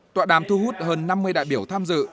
tọa đàm thu hút hơn năm mươi đại biểu tham dự